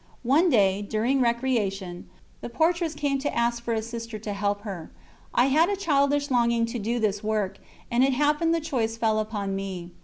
One day, during recreation, the portress came to ask for a Sister to help her. I had a childish longing to do this work, and it happened the choice fell upon me.